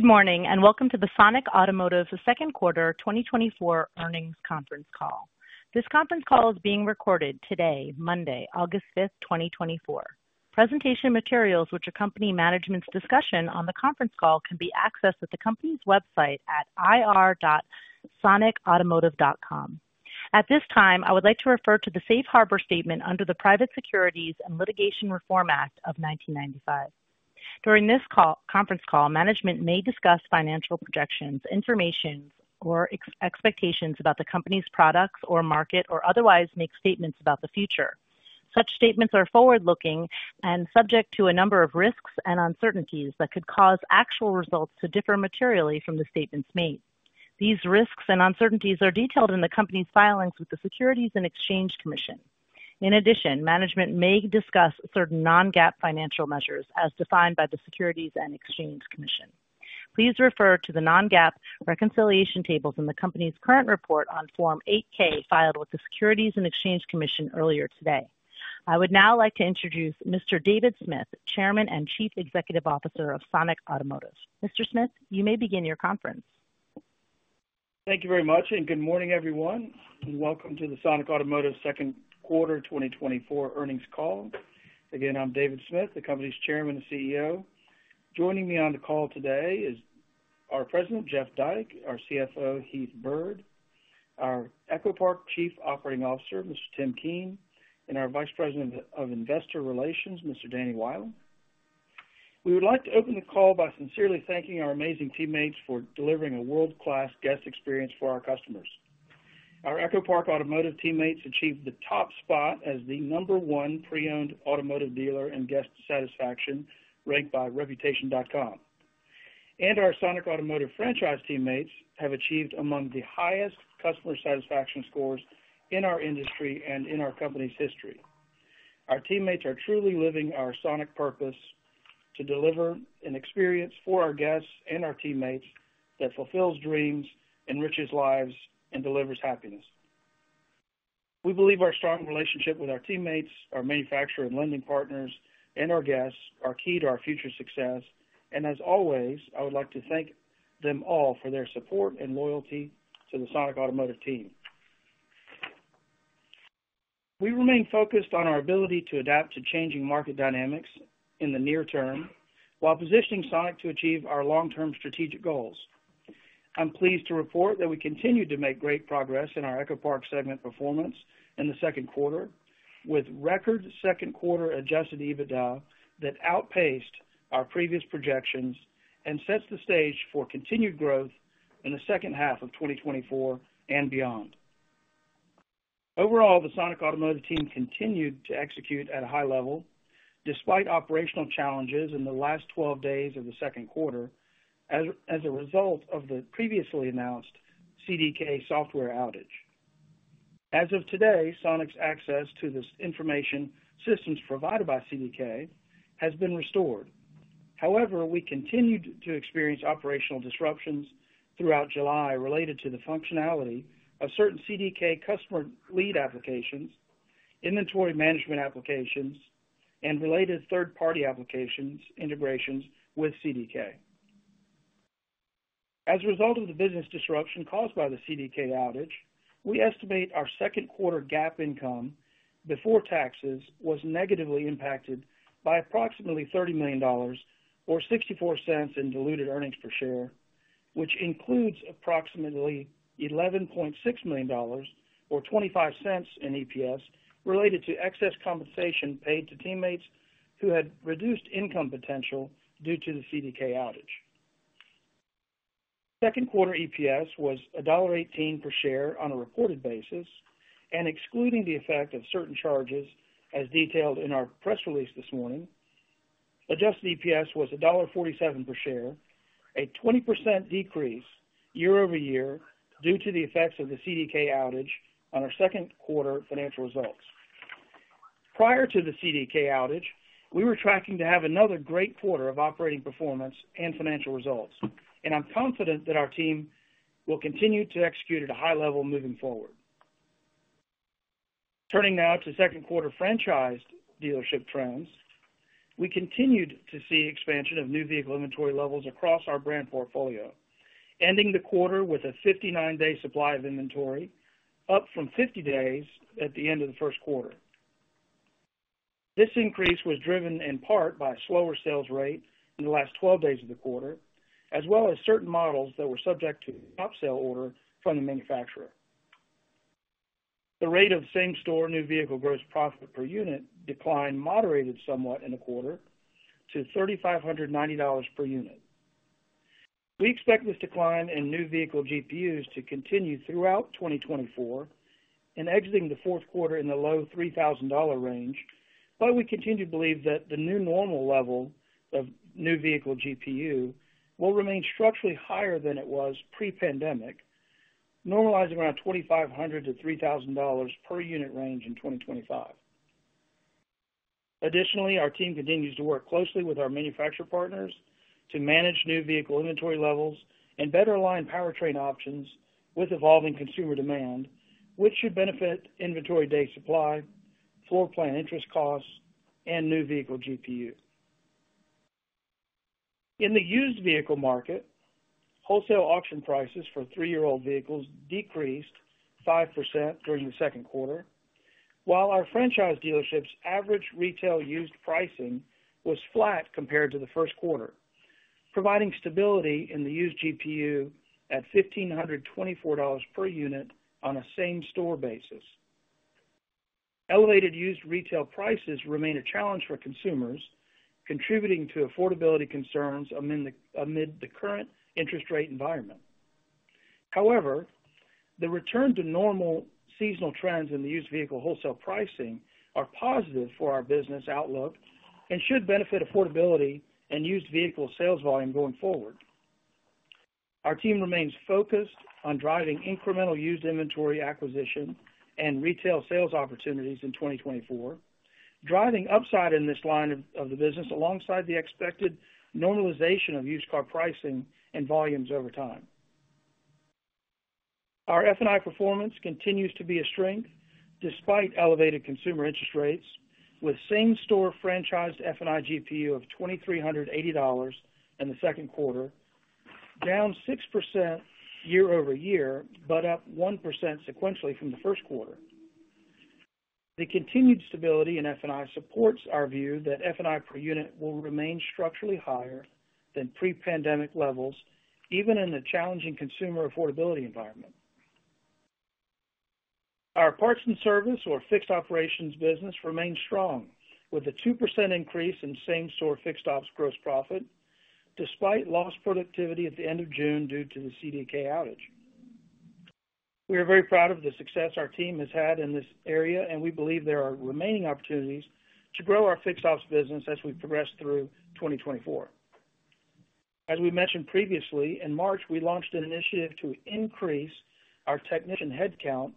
Good morning, and welcome to the Sonic Automotive's Q2 2024 earnings conference call. This conference call is being recorded today, Monday, August 5th, 2024. Presentation materials which accompany management's discussion on the conference call can be accessed at the company's website at ir.sonicautomotive.com. At this time, I would like to refer to the Safe Harbor statement under the Private Securities and Litigation Reform Act of 1995. During this call, conference call, management may discuss financial projections, information, or expectations about the company's products or market, or otherwise make statements about the future. Such statements are forward-looking and subject to a number of risks and uncertainties that could cause actual results to differ materially from the statements made. These risks and uncertainties are detailed in the company's filings with the Securities and Exchange Commission. In addition, management may discuss certain non-GAAP financial measures as defined by the Securities and Exchange Commission. Please refer to the non-GAAP reconciliation tables in the company's current report on Form 8-K, filed with the Securities and Exchange Commission earlier today. I would now like to introduce Mr. David Smith, Chairman and Chief Executive Officer of Sonic Automotive. Mr. Smith, you may begin your conference. Thank you very much, and good morning, everyone, and welcome to the Sonic Automotive Q2, 2024 earnings call. Again, I'm David Smith, the company's Chairman and CEO. Joining me on the call today is our President, Jeff Dyke; our CFO, Heath Byrd; our EchoPark Chief Operating Officer, Mr. Tim Keen; and our Vice President of Investor Relations, Mr. Danny Wieland. We would like to open the call by sincerely thanking our amazing teammates for delivering a world-class guest experience for our customers. Our EchoPark Automotive teammates achieved the top spot as the number 1 pre-owned automotive dealer in guest satisfaction, ranked by Reputation.com. Our Sonic Automotive franchise teammates have achieved among the highest customer satisfaction scores in our industry and in our company's history. Our teammates are truly living our Sonic purpose to deliver an experience for our guests and our teammates that fulfills dreams, enriches lives, and delivers happiness. We believe our strong relationship with our teammates, our manufacturer and lending partners, and our guests are key to our future success. As always, I would like to thank them all for their support and loyalty to the Sonic Automotive team. We remain focused on our ability to adapt to changing market dynamics in the near term, while positioning Sonic to achieve our long-term strategic goals. I'm pleased to report that we continue to make great progress in our EchoPark segment performance in the Q2, with record Q2 Adjusted EBITDA that outpaced our previous projections and sets the stage for continued growth in the second half of 2024 and beyond. Overall, the Sonic Automotive team continued to execute at a high level despite operational challenges in the last 12 days of the Q2 as a result of the previously announced CDK software outage. As of today, Sonic's access to these information systems provided by CDK has been restored. However, we continued to experience operational disruptions throughout July related to the functionality of certain CDK customer lead applications, inventory management applications, and related third-party application integrations with CDK. As a result of the business disruption caused by the CDK outage, we estimate our Q2 GAAP income before taxes was negatively impacted by approximately $30 million or $0.64 in diluted earnings per share, which includes approximately $11.6 million or $0.25 in EPS, related to excess compensation paid to teammates who had reduced income potential due to the CDK outage. Q2 EPS was $1.18 per share on a reported basis, and excluding the effect of certain charges as detailed in our press release this morning. Adjusted EPS was $1.47 per share, a 20% decrease year-over-year due to the effects of the CDK outage on our Q2 financial results. Prior to the CDK outage, we were tracking to have another great quarter of operating performance and financial results, and I'm confident that our team will continue to execute at a high level moving forward. Turning now to Q2 franchised dealership trends, we continued to see expansion of new vehicle inventory levels across our brand portfolio, ending the quarter with a 59-day supply of inventory, up from 50 days at the end of the Q1. This increase was driven in part by a slower sales rate in the last 12 days of the quarter, as well as certain models that were subject to stop-sale order from the manufacturer. The rate of same-store new vehicle gross profit per unit decline moderated somewhat in the quarter to $3,590 per unit. We expect this decline in new vehicle GPUs to continue throughout 2024 and exiting the Q4 in the low $3,000 range, but we continue to believe that the new normal level of new vehicle GPU will remain structurally higher than it was pre-pandemic, normalizing around $2,500-$3,000 per unit range in 2025. Additionally, our team continues to work closely with our manufacturer partners to manage new vehicle inventory levels and better align powertrain options with evolving consumer demand, which should benefit inventory day supply. Floorplan interest costs, and new vehicle GPU. In the used vehicle market, wholesale auction prices for three-year-old vehicles decreased 5% during the Q2, while our franchise dealerships average retail used pricing was flat compared to the Q1, providing stability in the used GPU at $1,524 per unit on a same-store basis. Elevated used retail prices remain a challenge for consumers, contributing to affordability concerns amid the current interest rate environment. However, the return to normal seasonal trends in the used vehicle wholesale pricing are positive for our business outlook and should benefit affordability and used vehicle sales volume going forward. Our team remains focused on driving incremental used inventory acquisition and retail sales opportunities in 2024, driving upside in this line of the business, alongside the expected normalization of used car pricing and volumes over time. Our F&I performance continues to be a strength despite elevated consumer interest rates, with same-store franchised F&I GPU of $2,380 in the Q2, down 6% year-over-year, but up 1% sequentially from the Q1. The continued stability in F&I supports our view that F&I per unit will remain structurally higher than pre-pandemic levels, even in a challenging consumer affordability environment. Our parts and service or fixed operations business remains strong, with a 2% increase in same-store fixed ops gross profit, despite lost productivity at the end of June due to the CDK outage. We are very proud of the success our team has had in this area, and we believe there are remaining opportunities to grow our fixed ops business as we progress through 2024. As we mentioned previously, in March, we launched an initiative to increase our technician headcount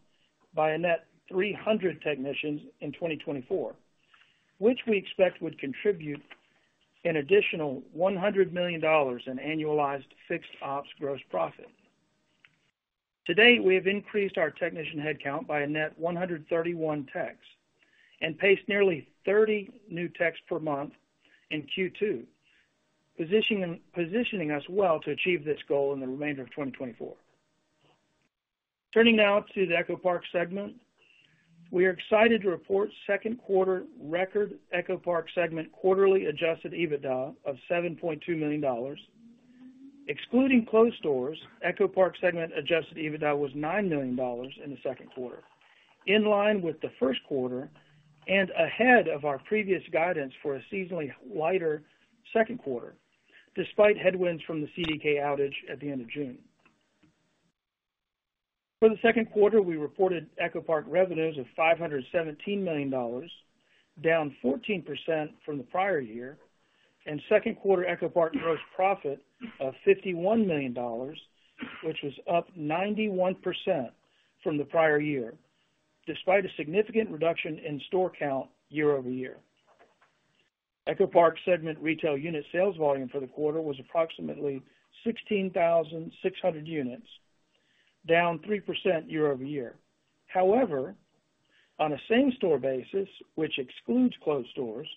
by a net 300 technicians in 2024, which we expect would contribute an additional $100 million in annualized fixed ops gross profit. To date, we have increased our technician headcount by a net 131 techs and paced nearly 30 new techs per month in Q2, positioning us well to achieve this goal in the remainder of 2024. Turning now to the EchoPark segment. We are excited to report Q2 record EchoPark segment quarterly Adjusted EBITDA of $7.2 million. Excluding closed stores, EchoPark segment Adjusted EBITDA was $9 million in the Q2, in line with the Q1 and ahead of our previous guidance for a seasonally lighter Q2, despite headwinds from the CDK outage at the end of June. For the Q2, we reported EchoPark revenues of $517 million, down 14% from the prior year, and Q2 EchoPark gross profit of $51 million, which was up 91% from the prior year, despite a significant reduction in store count year-over-year. EchoPark segment retail unit sales volume for the quarter was approximately 16,600 units, down 3% year-over-year. However, on a same-store basis, which excludes closed stores,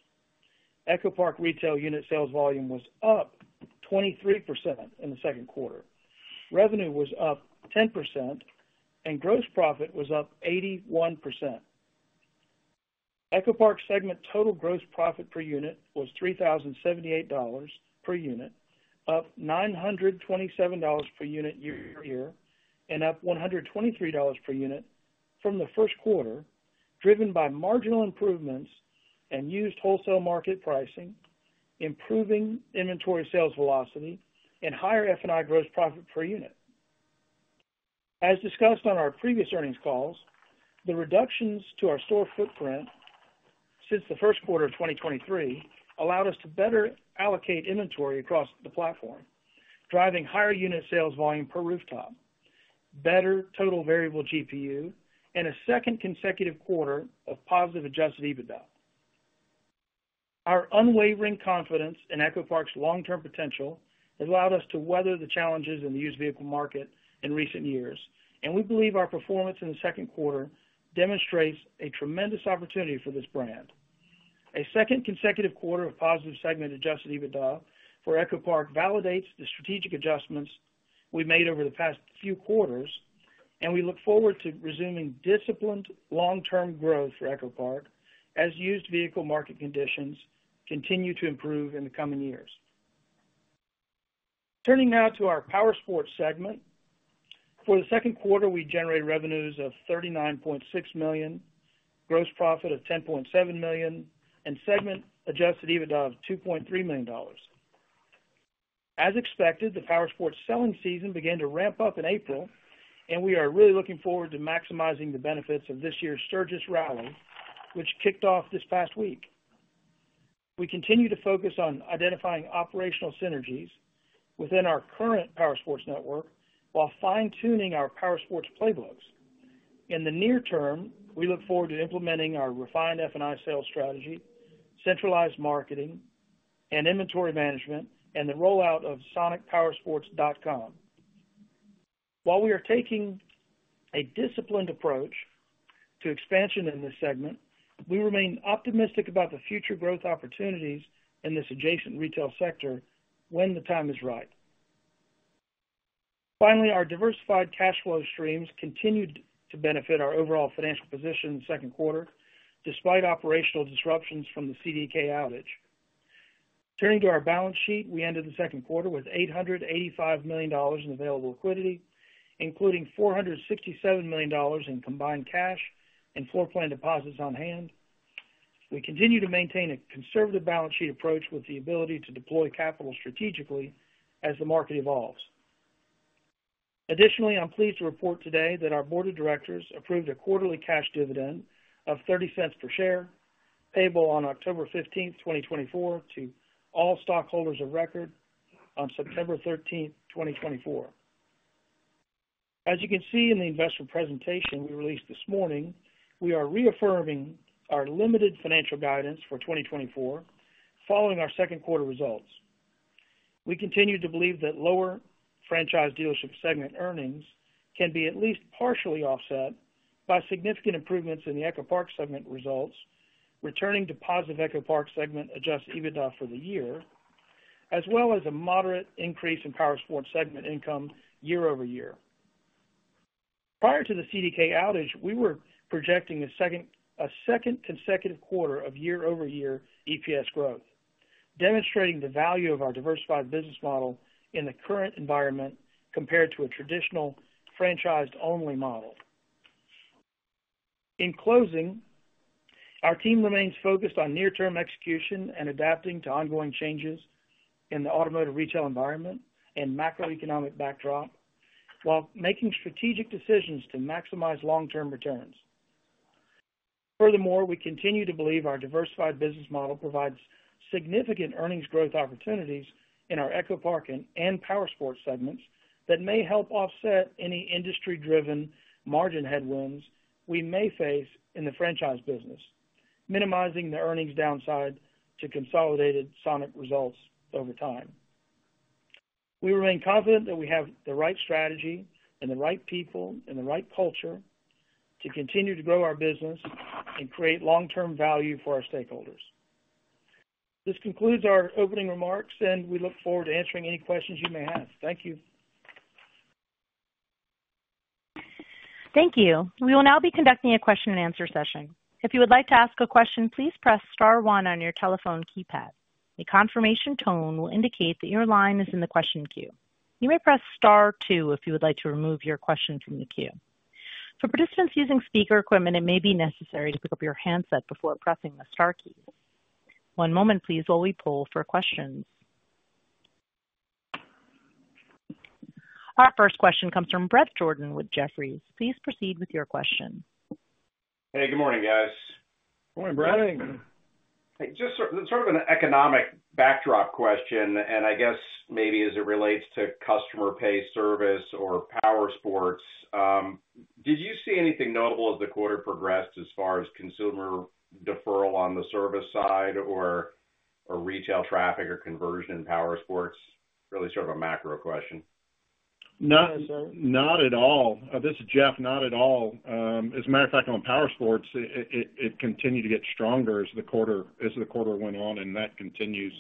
EchoPark retail unit sales volume was up 23% in the Q2. Revenue was up 10%, and gross profit was up 81%. EchoPark segment total gross profit per unit was $3,078 per unit, up $927 per unit year-over-year, and up $123 per unit from the Q1, driven by marginal improvements in used wholesale market pricing, improving inventory sales velocity, and higher F&I gross profit per unit. As discussed on our previous earnings calls, the reductions to our store footprint since the Q1 of 2023 allowed us to better allocate inventory across the platform, driving higher unit sales volume per rooftop, better total variable GPU, and a second consecutive quarter of positive adjusted EBITDA. Our unwavering confidence in EchoPark's long-term potential has allowed us to weather the challenges in the used vehicle market in recent years, and we believe our performance in the Q2 demonstrates a tremendous opportunity for this brand. A second consecutive quarter of positive segment Adjusted EBITDA for EchoPark validates the strategic adjustments we made over the past few quarters, and we look forward to resuming disciplined long-term growth for EchoPark as used vehicle market conditions continue to improve in the coming years. Turning now to our Powersports segment. For the Q2, we generated revenues of $39.6 million, gross profit of $10.7 million, and segment Adjusted EBITDA of $2.3 million. As expected, the Powersports selling season began to ramp up in April, and we are really looking forward to maximizing the benefits of this year's Sturgis Rally, which kicked off this past week. We continue to focus on identifying operational synergies within our current Powersports network while fine-tuning our Powersports playbooks. In the near term, we look forward to implementing our refined F&I sales strategy, centralized marketing and inventory management, and the rollout of sonicpowersports.com. While we are taking a disciplined approach to expansion in this segment, we remain optimistic about the future growth opportunities in this adjacent retail sector when the time is right. Finally, our diversified cash flow streams continued to benefit our overall financial position in the Q2, despite operational disruptions from the CDK outage. Turning to our balance sheet, we ended the Q2 with $885 million in available liquidity, including $467 million in combined cash and floor plan deposits on hand. We continue to maintain a conservative balance sheet approach with the ability to deploy capital strategically as the market evolves. Additionally, I'm pleased to report today that our board of directors approved a quarterly cash dividend of $0.30 per share, payable on October 15th, 2024, to all stockholders of record on September 13th, 2024. As you can see in the investment presentation we released this morning, we are reaffirming our limited financial guidance for 2024 following our Q2 results. We continue to believe that lower franchise dealership segment earnings can be at least partially offset by significant improvements in the EchoPark segment results, returning to positive EchoPark segment Adjusted EBITDA for the year, as well as a moderate increase in Powersports segment income year-over-year. Prior to the CDK outage, we were projecting a second consecutive quarter of year-over-year EPS growth, demonstrating the value of our diversified business model in the current environment compared to a traditional franchised-only model. In closing, our team remains focused on near-term execution and adapting to ongoing changes in the automotive retail environment and macroeconomic backdrop, while making strategic decisions to maximize long-term returns. Furthermore, we continue to believe our diversified business model provides significant earnings growth opportunities in our EchoPark and Powersports segments that may help offset any industry-driven margin headwinds we may face in the franchise business, minimizing the earnings downside to consolidated Sonic results over time. We remain confident that we have the right strategy and the right people and the right culture to continue to grow our business and create long-term value for our stakeholders. This concludes our opening remarks, and we look forward to answering any questions you may have. Thank you. Thank you. We will now be conducting a question-and-answer session. If you would like to ask a question, please press star one on your telephone keypad. A confirmation tone will indicate that your line is in the question queue. You may press star two if you would like to remove your question from the queue. For participants using speaker equipment, it may be necessary to pick up your handset before pressing the star key. One moment, please, while we poll for questions. Our first question comes from Bret Jordan with Jefferies. Please proceed with your question. Hey, good morning, guys. Good morning, Bret. Just sort of an economic backdrop question, and I guess maybe as it relates to customer pay service or Powersports, did you see anything notable as the quarter progressed as far as consumer deferral on the service side or, or retail traffic or conversion in Powersports? Really sort of a macro question. Not at all. This is Jeff. Not at all. As a matter of fact, on Powersports, it continued to get stronger as the quarter went on, and that continues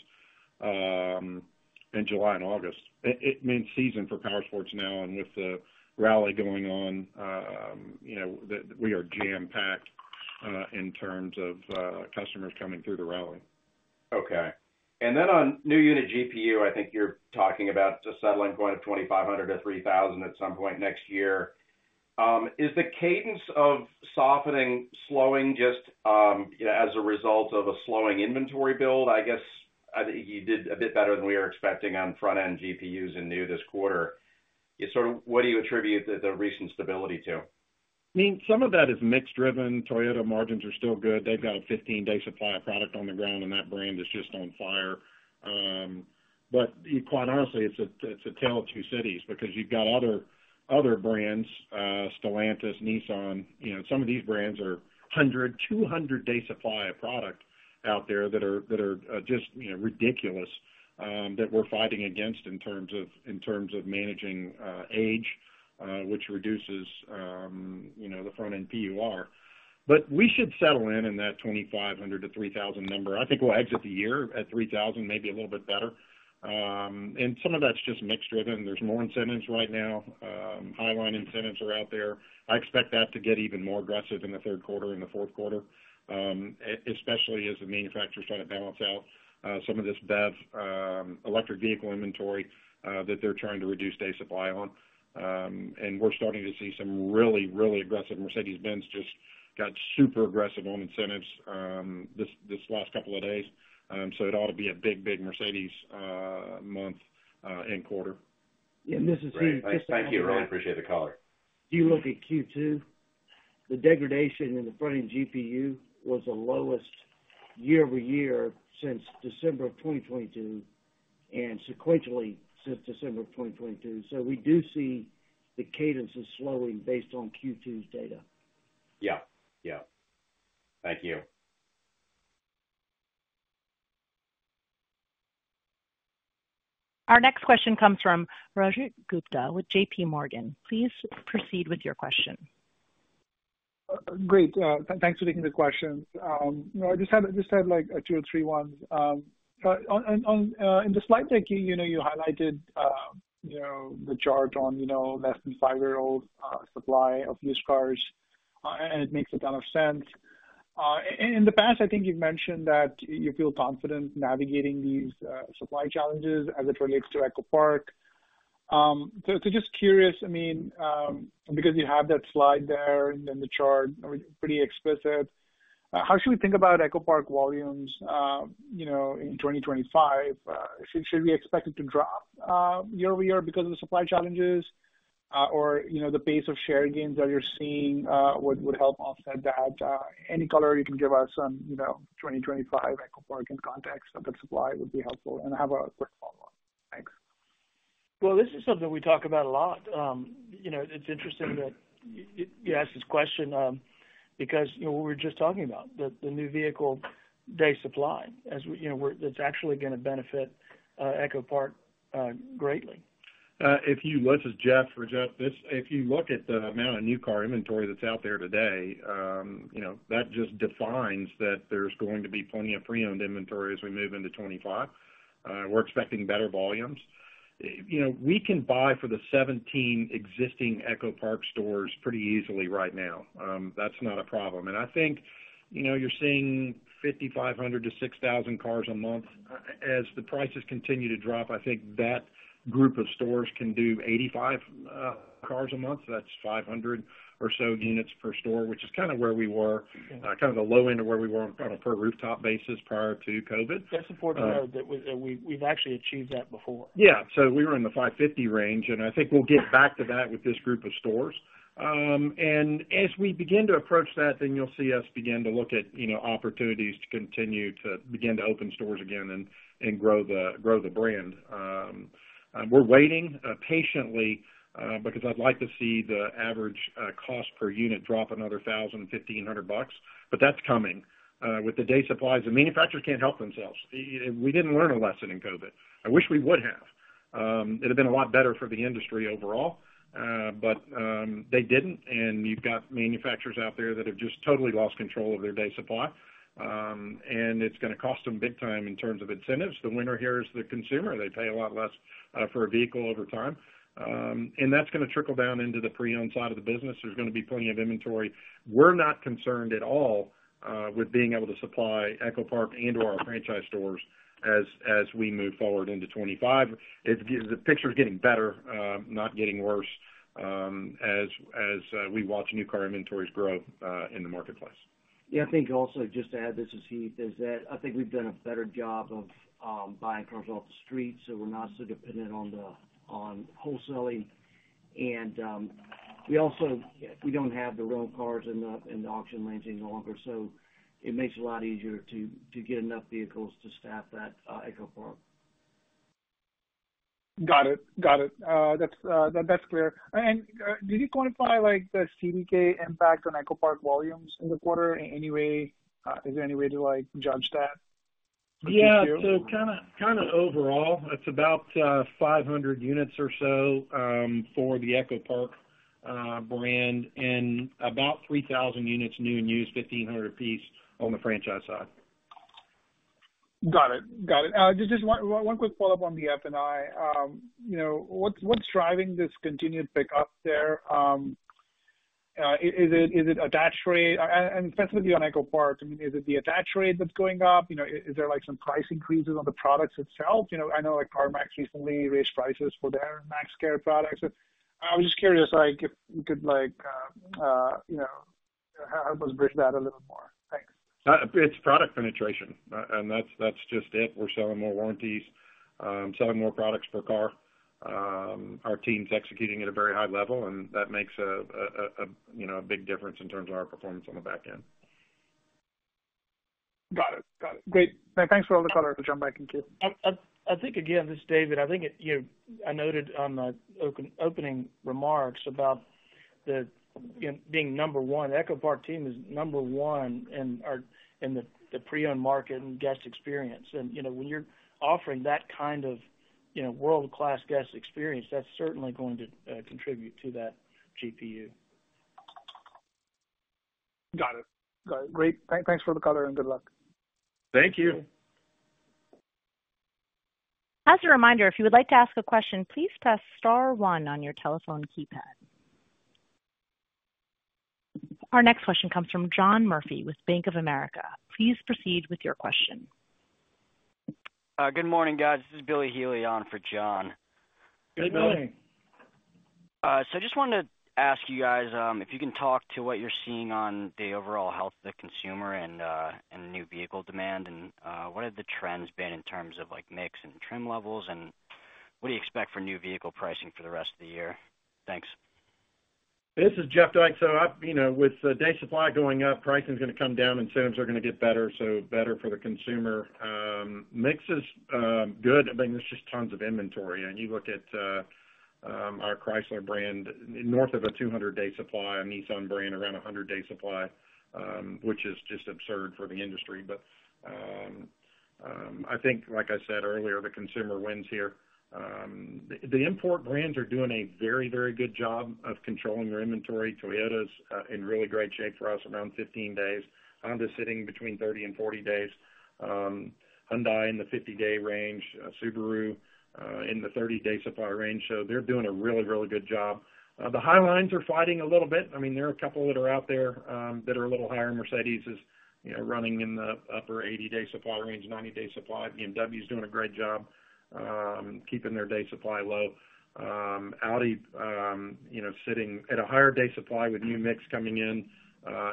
in July and August. It's mean season for Powersports now, and with the rally going on, you know, that we are jam-packed in terms of customers coming through the rally. Okay. Then on new unit GPU, I think you're talking about settling going of $2,500-$3,000 at some point next year. Is the cadence of softening, slowing, just, you know, as a result of a slowing inventory build? I guess, you did a bit better than we were expecting on front-end GPUs in new this quarter. Sort of, what do you attribute the recent stability to? I mean, some of that is mix driven. Toyota margins are still good. They've got a 15-day supply of product on the ground, and that brand is just on fire. But quite honestly, it's a tale of two cities because you've got other brands, Stellantis, Nissan, you know, some of these brands are 100-200-day supply of product out there that are just ridiculous that we're fighting against in terms of managing age, which reduces the front-end GPU. But we should settle in that 2,500-3,000 number. I think we'll exit the year at 3,000, maybe a little bit better. And some of that's just mix driven. There's more incentives right now. Highline incentives are out there. I expect that to get even more aggressive in the Q3 and the Q4, especially as the manufacturers try to balance out some of this BEV electric vehicle inventory that they're trying to reduce day supply on. And we're starting to see some really, really aggressive... Mercedes-Benz just got super aggressive on incentives this last couple of days. So it ought to be a big, big Mercedes month and quarter. This is huge- Thank you. I really appreciate the color. If you look at Q2, the degradation in the front-end GPU was the lowest year-over-year since December of 2022, and sequentially since December of 2022. So we do see the cadence is slowing based on Q2's data. Yeah. Yeah. Thank you. Our next question comes from Rajat Gupta with J.P. Morgan. Please proceed with your question. Great. Thanks for taking the questions. You know, I just had, like, two or three ones. In the slide deck, you know, you highlighted you know, the chart on less than five-year-old supply of used cars, and it makes a ton of sense. In the past, I think you've mentioned that you feel confident navigating these supply challenges as it relates to EchoPark. So just curious, I mean, because you have that slide there, and then the chart are pretty explicit, how should we think about EchoPark volumes, you know, in 2025? Should we expect it to drop year-over-year because of the supply challenges, or, you know, the pace of share gains that you're seeing would help offset that? Any color you can give us on, you know, 2025 EchoPark in context of the supply would be helpful? And I have a quick follow-up. Thanks. Well, this is something we talk about a lot. You know, it's interesting that you ask this question, because, you know, what we're just talking about, the new vehicle day supply. It's actually gonna benefit EchoPark greatly. This is Jeff, Rajat. If you look at the amount of new car inventory that's out there today, you know, that just defines that there's going to be plenty of pre-owned inventory as we move into 2025. We're expecting better volumes. You know, we can buy for the 17 existing EchoPark stores pretty easily right now. That's not a problem. And I think, you know, you're seeing 5,500 to 6,000 cars a month. As the prices continue to drop, I think that group of stores can do 85 cars a month. That's 500 or so units per store, which is kind of where we were, kind of the low end of where we were on a per rooftop basis prior to COVID. That's important to know that we've actually achieved that before. Yeah. So we were in the $550 range, and I think we'll get back to that with this group of stores. And as we begin to approach that, then you'll see us begin to look at, you know, opportunities to continue to begin to open stores again and grow the brand. We're waiting patiently because I'd like to see the average cost per unit drop another $1,000-$1,500 bucks, but that's coming. With the day supplies, the manufacturers can't help themselves. We didn't learn a lesson in COVID. I wish we would have. It'd be a lot better for the industry overall, but they didn't, and you've got manufacturers out there that have just totally lost control of their day supply, and it's gonna cost them big time in terms of incentives. The winner here is the consumer. They pay a lot less for a vehicle over time, and that's gonna trickle down into the pre-owned side of the business. There's gonna be plenty of inventory. We're not concerned at all with being able to supply EchoPark and/or our franchise stores as we move forward into 2025. The picture is getting better, not getting worse, as we watch new car inventories grow in the marketplace. Yeah, I think also, just to add this, as Heath, is that I think we've done a better job of buying cars off the street, so we're not so dependent on the, on wholesaling. And, we also, we don't have the rental cars in the, in the auction lanes any longer, so it makes it a lot easier to, to get enough vehicles to staff that EchoPark. Got it. Got it. That's clear. And, did you quantify, like, the CDK impact on EchoPark volumes in the quarter in any way? Is there any way to, like, judge that? Yeah. So kind of, kind of overall, it's about 500 units or so for the EchoPark brand, and about 3,000 units new and used, 1,500 a piece on the franchise side. Got it. Got it. Just, just one, one quick follow-up on the F&I. You know, what's, what's driving this continued pickup there? Is it, is it attach rate? And, and specifically on EchoPark, I mean, is it the attach rate that's going up? You know, is there, like, some price increases on the products itself? You know, I know, like, CarMax recently raised prices for their MaxCare products. So I was just curious, like, if you could, like, you know, help us bridge that a little more. Thanks. It's product penetration, and that's just it. We're selling more warranties, selling more products per car. Our team's executing at a very high level, and that makes, you know, a big difference in terms of our performance on the back end. Got it. Got it. Great. Thanks for all the color. I'll jump back in queue. I think, again, this is David. I think it, you know, I noted on my opening remarks about the, you know, being number one. EchoPark team is number one in the pre-owned market and guest experience. And, you know, when you're offering that kind of, you know, world-class guest experience, that's certainly going to contribute to that GPU. Got it. Got it. Great. Thanks for the color and good luck. Thank you. As a reminder, if you would like to ask a question, please press star one on your telephone keypad. Our next question comes from John Murphy with Bank of America. Please proceed with your question. Good morning, guys. This is Billy Healy on for John. Good morning. Good morning. So I just wanted to ask you guys, if you can talk to what you're seeing on the overall health of the consumer and new vehicle demand, and what have the trends been in terms of, like, mix and trim levels, and what do you expect for new vehicle pricing for the rest of the year? Thanks. This is Jeff Dyke. So I've you know, with the day supply going up, pricing is gonna come down, incentives are gonna get better, so better for the consumer. Mix is good. I mean, there's just tons of inventory, and you look at our Chrysler brand north of a 200-day supply, our Nissan brand around a 100-day supply, which is just absurd for the industry. But I think, like I said earlier, the consumer wins here. The import brands are doing a very, very good job of controlling their inventory. Toyota's in really great shape for us, around 15 days. Honda's sitting between 30 and 40 days. Hyundai in the 50-day range, Subaru in the 30-day supply range. So they're doing a really, really good job. The highlines are fighting a little bit. I mean, there are a couple that are out there that are a little higher. Mercedes is, you know, running in the upper 80-day supply range, 90-day supply. BMW is doing a great job keeping their day supply low. Audi, you know, sitting at a higher day supply with new mix coming in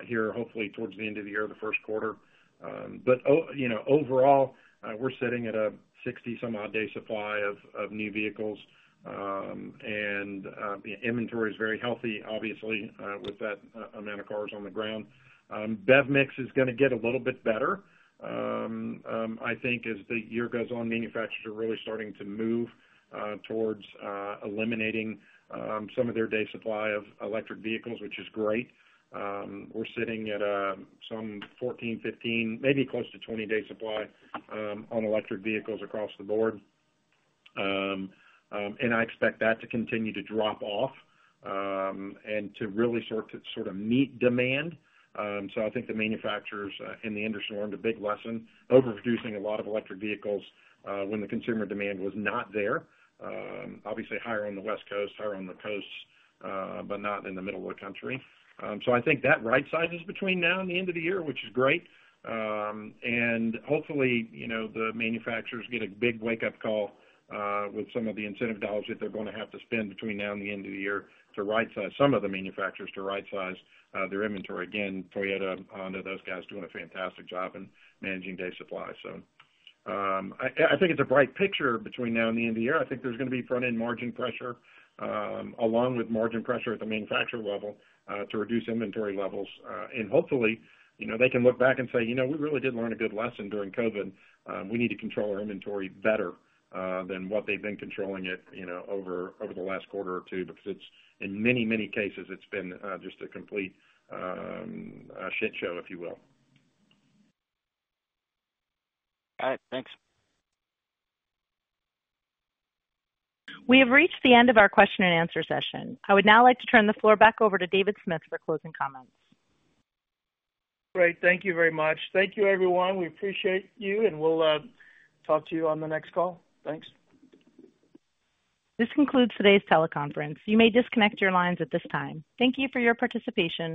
here, hopefully, towards the end of the year or the Q1. But you know, overall, we're sitting at a 60-some-odd day supply of new vehicles. And inventory is very healthy, obviously, with that amount of cars on the ground. BEV mix is gonna get a little bit better. I think as the year goes on, manufacturers are really starting to move towards eliminating some of their day supply of electric vehicles, which is great. We're sitting at some 14, 15, maybe close to 20-day supply on electric vehicles across the board. I expect that to continue to drop off and to really sort of meet demand. So I think the manufacturers in the industry learned a big lesson, overproducing a lot of electric vehicles when the consumer demand was not there. Obviously, higher on the West Coast, higher on the coasts, but not in the middle of the country. I think that rightsize is between now and the end of the year, which is great. Hopefully, you know, the manufacturers get a big wake-up call with some of the incentive dollars that they're gonna have to spend between now and the end of the year to rightsize. Some of the manufacturers to rightsize their inventory. Again, Toyota, Honda, those guys are doing a fantastic job in managing day supply. So, I think it's a bright picture between now and the end of the year. I think there's gonna be front-end margin pressure along with margin pressure at the manufacturer level to reduce inventory levels. And hopefully, you know, they can look back and say, "You know, we really did learn a good lesson during COVID. We need to control our inventory better," than what they've been controlling it, you know, over the last quarter or two, because it's, in many, many cases, it's been just a complete shit show, if you will. All right, thanks. We have reached the end of our question-and-answer session. I would now like to turn the floor back over to David Smith for closing comments. Great. Thank you very much. Thank you, everyone. We appreciate you, and we'll talk to you on the next call. Thanks. This concludes today's teleconference. You may disconnect your lines at this time. Thank you for your participation.